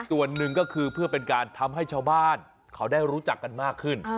ส่วนหนึ่งก็คือเพื่อเป็นการทำให้ชาวบ้านเขาได้รู้จักกันมากขึ้น